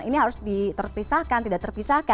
ini harus diterpisahkan tidak terpisahkan